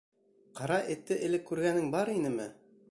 Ҡара Этте элек күргәнең бар инеме?